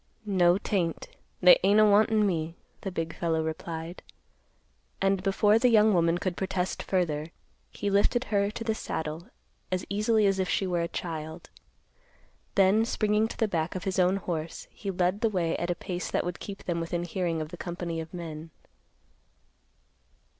"No, 'tain't; they ain't a wantin' me," the big fellow replied. And before the young woman could protest further, he lifted her to the saddle as easily as if she were a child. Then, springing to the back of his own horse, he led the way at a pace that would keep them within hearing of the company of men.